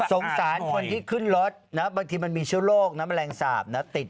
สงสารคนที่ขึ้นรถนะบางทีมันมีเชื้อโรคนะแมลงสาปนะติด